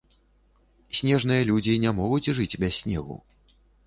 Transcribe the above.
Снежныя людзі не могуць жыць без снегу.